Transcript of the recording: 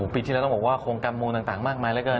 ปีที่แล้วต้องบอกว่าโครงการมูลต่างมากมายเหลือเกิน